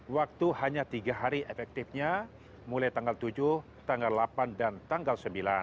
waktu hanya tiga hari efektifnya mulai tanggal tujuh tanggal delapan dan tanggal sembilan